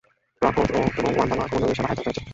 প্রাঙ্কোট এবং ওয়ানধামা আক্রমণেও এই শালা হায়দারের সাথে ছিল।